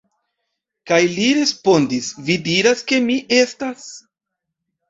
Kaj li respondis: Vi diras, ke mi estas.